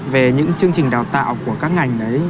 về những chương trình đào tạo của các ngành đấy